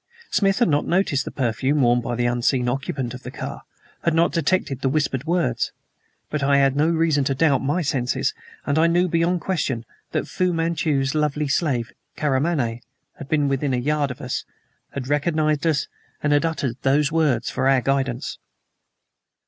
Smith had not noticed the perfume worn by the unseen occupant of the car, had not detected the whispered words. But I had no reason to doubt my senses, and I knew beyond question that Fu Manchu's lovely slave, Karamaneh, had been within a yard of us, had recognized us, and had uttered those words for our guidance.